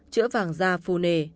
chữa vàng da phù nề